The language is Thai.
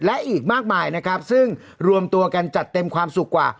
และอีกมากมายนะครับซึ่งรวมตัวกันจัดเต็มความสุขกว่า